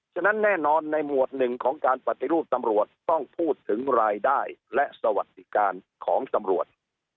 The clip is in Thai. ฉะนั้นแน่นอนในหมวดหนึ่งของการปฏิรูปตำรวจต้องพูดถึงรายได้และสวัสดิการของตำรวจ